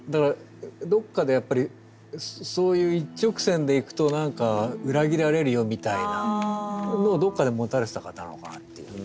どっかでやっぱりそういう一直線で行くと何か裏切られるよみたいなのをどっかで持たれてた方なのかなって。